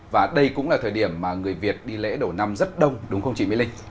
và đây cũng là thời điểm mà người việt đi lễ đầu năm rất đông đúng không chị mỹ linh